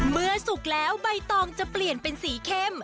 สุกแล้วใบตองจะเปลี่ยนเป็นสีเข้ม